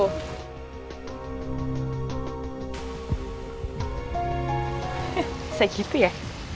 bisa gitu ya